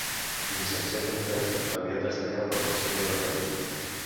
Llicenciat en dret, aviat destacà per la seva oratòria.